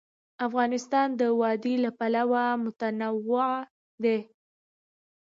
افغانستان د وادي له پلوه متنوع دی.